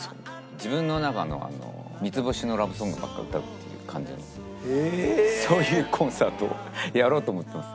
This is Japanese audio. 自分の中の三つ星のラブソングばっかり歌うっていう感じのそういうコンサートをやろうと思っています。